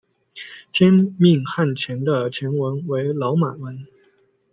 天命汗钱的钱文为老满文。